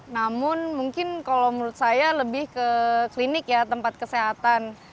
namun mungkin kalau menurut saya lebih ke klinik ya tempat kesehatan